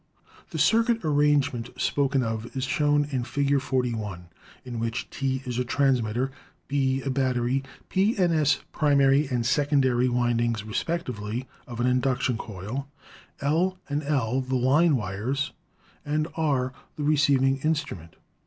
The circuit arrangement spoken of is shown in Fig. 41, in which T is a transmitter, B a battery, P and S primary and secondary windings, respectively, of an induction coil, 276 ELECTRICITY L', L' the line wires, and R the receiving instrument.